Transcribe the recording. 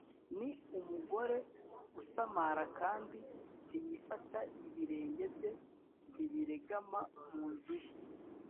ni umugore usamara kandi ntiyifata, ibirenge bye ntibiregama mu nzu ye